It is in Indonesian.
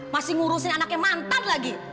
masih ngurusin anaknya mantan lagi